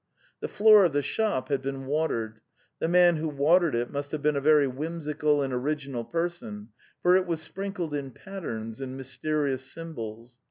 The floor of the shop had been watered; the man who watered it must have been a very whimsical and original person, for it was sprin kled in patterns and mysterious symbols.